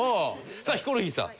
さあヒコロヒーさん。